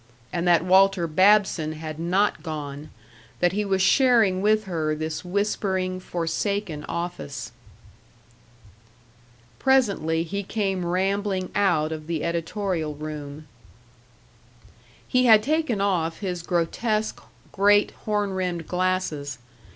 And that Walter Babson had not gone; that he was sharing with her this whispering forsaken office. Presently he came rambling out of the editorial room. He had taken off his grotesque, great horn rimmed glasses.